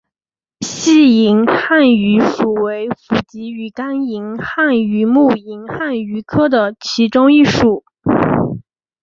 细银汉鱼属为辐鳍鱼纲银汉鱼目银汉鱼科的其中一属。